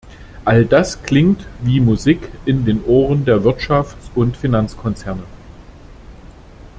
All das klingt wie Musik in den Ohren der Wirtschafts- und Finanzkonzerne.